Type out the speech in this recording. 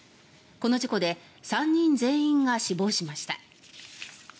この事故で３人全員が死亡しました。